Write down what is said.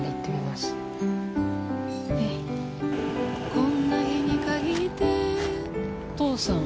こんな日に限って、お父さん？